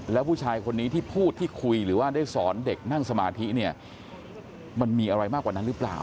แล้วผู้ชายคนนี้ที่พูดที่คุยหรือว่าได้สอนเด็กนั่งสมาธิเนี่ยมันมีอะไรมากกว่านั้นหรือเปล่า